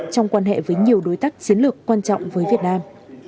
trong quan hệ với nhiều đối tác chiến lược quan trọng với việt nam